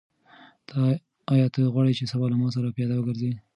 آیا ته غواړې چې سبا له ما سره پیاده وګرځې؟